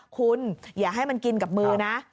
คุณอย่าให้มันกินกับมือนะ